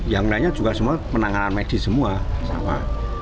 yang lainnya juga semua penanganan medis semua sama